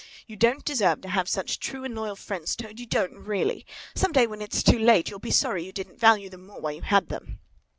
You don't deserve to have such true and loyal friends, Toad, you don't, really. Some day, when it's too late, you'll be sorry you didn't value them more while you had them!"